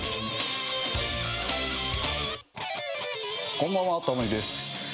こんばんはタモリです。